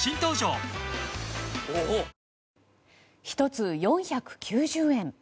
１つ４９０円。